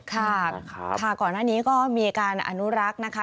ค่ะค่ะก่อนหน้านี้ก็มีการอนุรักษ์นะคะ